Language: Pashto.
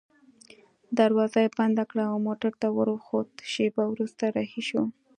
دروازه يې بنده کړل او موټر ته وروخوت، شېبه وروسته رهي شوو.